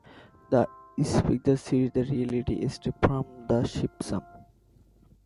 This keeps the city relatively safe from a mishap.